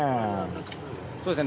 そうですね